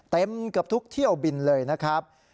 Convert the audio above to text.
เต็มเกือบทุกเที่ยวบินเลยนะครับ